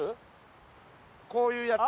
ういうやつ。